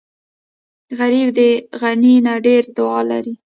غریب د غني نه ډېره دعا لري